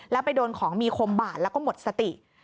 แล้วไปโดนของมีคมบาดแล้วก็หมดสติ